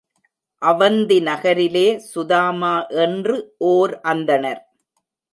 அவந்தி நகரிலே சுதாமா என்று ஓர் அந்தணர்.